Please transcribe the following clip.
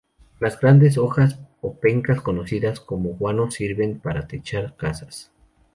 Las grandes hojas o pencas conocidas como guano sirven para techar casas.